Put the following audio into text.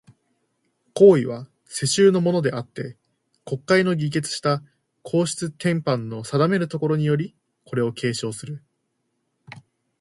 皇位は、世襲のものであつて、国会の議決した皇室典範の定めるところにより、これを継承する。